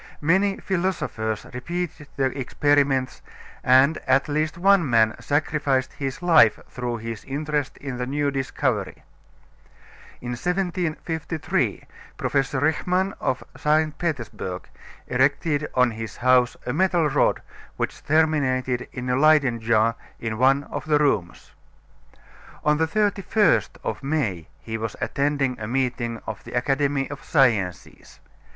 Many philosophers repeated the experiments and at least one man sacrificed his life through his interest in the new discovery. In 1753 Professor Richman of St. Petersburg erected on his house a metal rod which terminated in a Leyden jar in one of the rooms. On the 31st of May he was attending a meeting of the Academy of Sciences.